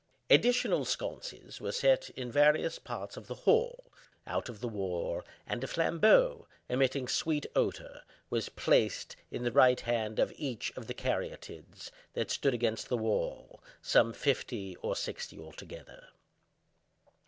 Additional sconces were set in various parts of the hall, out of the war, and a flambeau, emitting sweet odor, was placed in the right hand of each of the Caryaides [Caryatides] that stood against the wall—some fifty or sixty altogether.